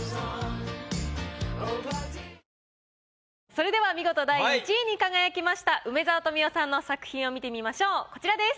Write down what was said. それでは見事第１位に輝きました梅沢富美男さんの作品を見てみましょうこちらです。